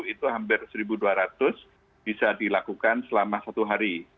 itu hampir satu dua ratus bisa dilakukan selama satu hari